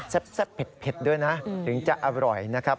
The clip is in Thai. แซ่บเผ็ดด้วยนะถึงจะอร่อยนะครับ